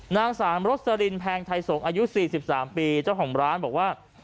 นางสามรสลินแพงไทยสงศ์อายุ๔๓ปีเจ้าของร้านบอกว่า